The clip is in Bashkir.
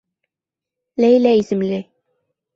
Ләйлә исемле.